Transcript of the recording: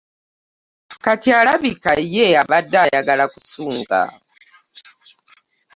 Kati alabika yabadde ayagala kusunga.